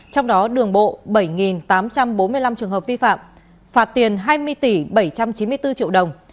trong đó đường bộ bảy tám trăm bốn mươi năm trường hợp vi phạm phạt tiền hai mươi tỷ bảy trăm chín mươi bốn triệu đồng